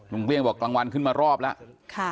เกลี้ยงบอกกลางวันขึ้นมารอบแล้ว